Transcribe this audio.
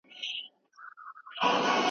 که الفبا وي نو کلمه نه نیمګړې کیږي.